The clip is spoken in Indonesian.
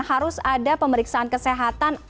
harus ada pemeriksaan kesehatan